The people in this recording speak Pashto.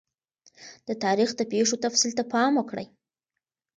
د تاریخ د پیښو تفصیل ته پام وکړئ.